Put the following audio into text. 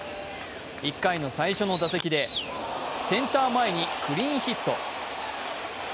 １回の最初の打席でセンター前にクリーンヒット。